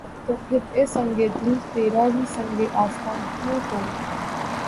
تو پھر‘ اے سنگ دل! تیرا ہی سنگِ آستاں کیوں ہو؟